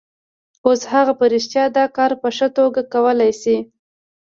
اوس هغه په رښتیا دا کار په ښه توګه کولای شي